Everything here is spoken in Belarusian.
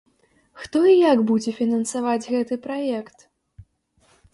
Хто і як будзе фінансаваць гэты праект?